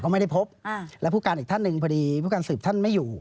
ไม่ได้พบแล้วผู้การอีกท่านหนึ่งพอดีผู้การสืบท่านไม่อยู่